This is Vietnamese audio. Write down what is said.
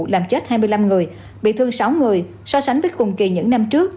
làm chết hai mươi năm người bị thương sáu người so sánh với cùng kỳ những năm trước